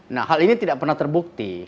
nah hal ini tidak pernah terbukti